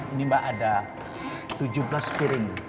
ini mbak ada tujuh belas piring